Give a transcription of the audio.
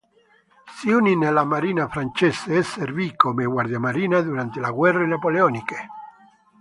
Si unì nella marina francese e servì come guardiamarina durante le guerre napoleoniche.